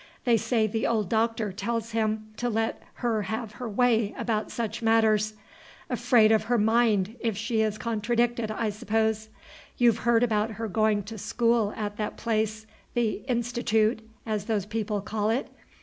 They say the old Doctor tells him to let her have her way about such matters. Afraid of her mind, if she is contradicted, I suppose. You've heard about her going to school at that place, the 'Institoot,' as those people call it?